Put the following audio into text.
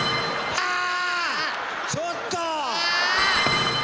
ちょっと！